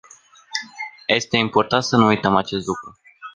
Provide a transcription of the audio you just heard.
Este important să nu uităm acest lucru.